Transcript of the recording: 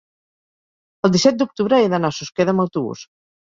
el disset d'octubre he d'anar a Susqueda amb autobús.